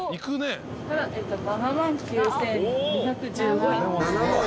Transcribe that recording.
７万９，２１５円。